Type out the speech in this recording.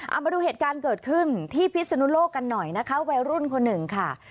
เอามาดูเหตุการณ์เกิดขึ้นที่พิศนุโลกกันหน่อยนะคะวัยรุ่นคนหนึ่งค่ะ